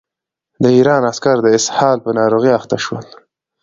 د ایران عسکر د اسهال په ناروغۍ اخته شول.